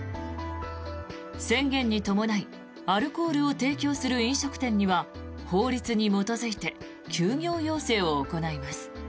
宣言に伴いアルコールを提供する飲食店には法律に基づいて休業要請を行います。